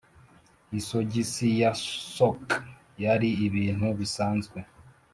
isogisi ya sock yari ibintu bisanzwe